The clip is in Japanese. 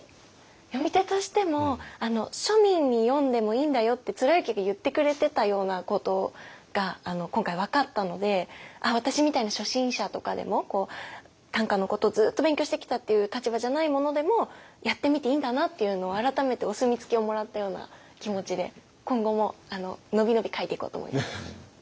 詠み手としても庶民に「詠んでもいいんだよ」って貫之が言ってくれてたようなことが今回分かったので私みたいな初心者とかでも短歌のことをずっと勉強してきたっていう立場じゃない者でもやってみていいんだなっていうのを改めてお墨付きをもらったような気持ちで今後ものびのび書いていこうと思います。